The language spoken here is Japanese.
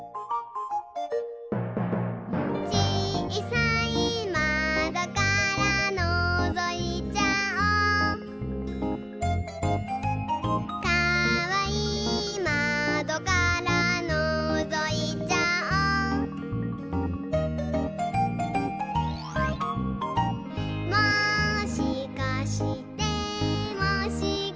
「ちいさいまどからのぞいちゃおう」「かわいいまどからのぞいちゃおう」「もしかしてもしかして」